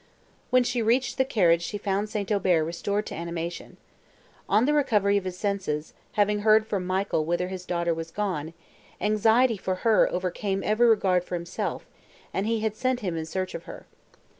When she reached the carriage she found St. Aubert restored to animation. On the recovery of his senses, having heard from Michael whither his daughter was gone, anxiety for her overcame every regard for himself, and he had sent him in search of her.